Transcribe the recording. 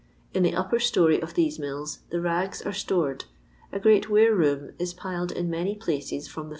In the upper story of these mills the raga are stored. A great ware room is piled in many places from the